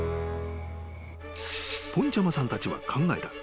［ぽんちゃまさんたちは考えた。